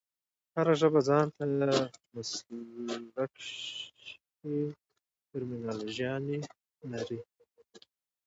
هره ژبه ځان ته مسلکښي ټرمینالوژي لري.